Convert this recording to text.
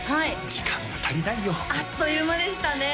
時間が足りないよあっという間でしたね